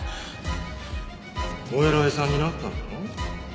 お偉いさんになったんだろう？